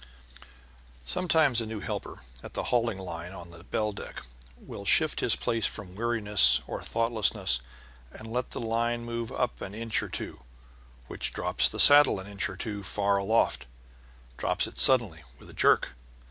Sometimes a new helper at the hauling line down on the bell deck will shift his place from weariness or thoughtlessness, and let the line move up an inch or two, which drops the saddle an inch or two far aloft drops it suddenly with a jerk.